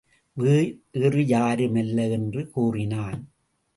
வேறு யாருமல்ல! என்று கூறினான்.